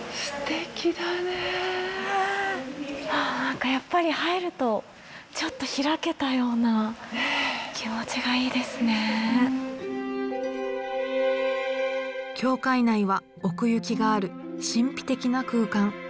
何かやっぱり入るとちょっと開けたような教会内は奥行きがある神秘的な空間。